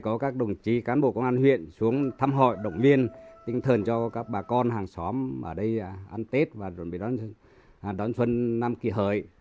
có các đồng chí cán bộ công an huyện xuống thăm hỏi động viên tinh thần cho các bà con hàng xóm ở đây ăn tết và chuẩn bị đón xuân năm kỳ hợi